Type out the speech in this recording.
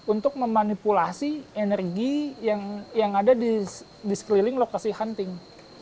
untuk memanipulasi energi yang ada di sekeliling lokasi hunting